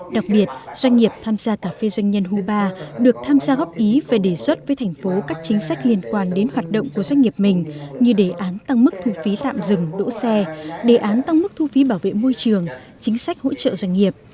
đặc biệt doanh nghiệp tham gia cà phê doanh nhân hubar được tham gia góp ý và đề xuất với thành phố các chính sách liên quan đến hoạt động của doanh nghiệp mình như đề án tăng mức thu phí tạm dừng đỗ xe đề án tăng mức thu phí bảo vệ môi trường chính sách hỗ trợ doanh nghiệp